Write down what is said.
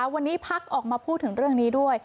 วันนี้พักออกมาพูดถึงเรื่องนี้ด้วย